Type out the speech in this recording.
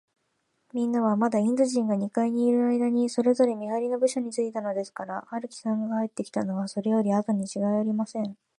みんなは、まだインド人が二階にいるあいだに、それぞれ見はりの部署についたのですから、春木さんが帰ってきたのは、それよりあとにちがいありません。